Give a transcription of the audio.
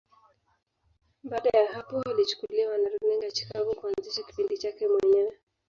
Baada ya hapo alichukuliwa na Runinga ya Chicago kuanzisha kipindi chake mwenyewe